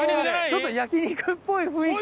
ちょっと焼肉っぽい雰囲気。